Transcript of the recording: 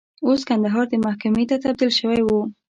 اوس کندهار محکمې ته تبدیل شوی و.